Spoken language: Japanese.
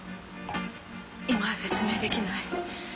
今は説明できない。